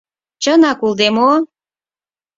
— Чынак улде мо!